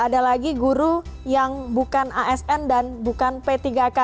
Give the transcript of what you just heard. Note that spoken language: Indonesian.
ada lagi guru yang bukan asn dan bukan p tiga k